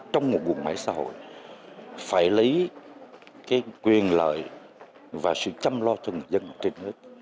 trong một bộ máy xã hội phải lấy quyền lợi và sự chăm lo cho người dân trên hết